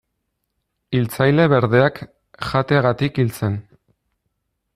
Hiltzaile berdeak jateagatik hil zen.